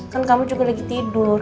kan kamu juga lagi tidur